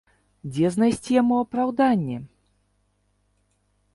Дзе знайсці яму апраўданне?